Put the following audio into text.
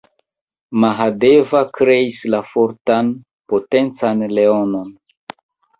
Mahadeva kreis la fortan, potencan leonon.